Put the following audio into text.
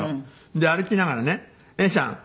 で歩きながらね「永さん